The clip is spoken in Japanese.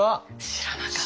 知らなかった。